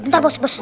meja apa yuk